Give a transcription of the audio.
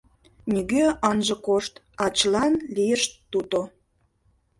Нигӧ ынже кошт, а чылан лийышт туто